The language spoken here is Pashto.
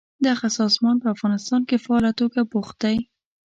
دغه سازمان په افغانستان کې فعاله توګه بوخت دی.